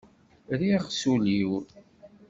Rriɣ s ul-iw.